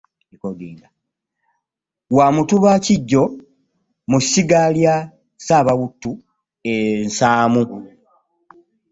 Wa mutuba Kiggyo mu ssiga lya Saabawutu e Nsaamu.